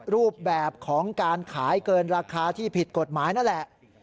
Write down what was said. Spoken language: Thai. รูปแบบของการขายเกินราคาที่ผิดกฎหมายนั่นแหละ